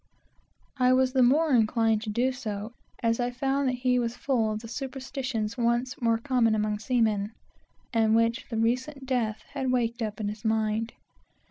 I was the more inclined to do so, as I found that he was full of the superstitions once more common among seamen, and which the recent death had waked up in his mind.